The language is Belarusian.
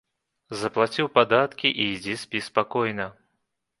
Заплаціў падаткі і ідзі спі спакойна.